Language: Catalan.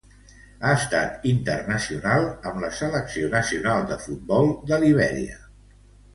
Ha estat internacional amb la selecció nacional de futbol de Libèria.